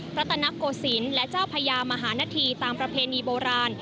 รัฐนโกศิลป์และเจ้าพญามหานธีตามประเพณีโบราณ